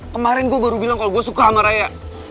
kemarin gue baru bilang kalau gue suka sama raya